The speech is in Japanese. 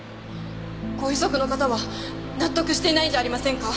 ご遺族の方は納得していないんじゃありませんか？